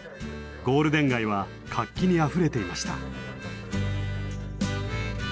ゴールデン街は活気にあふれていました。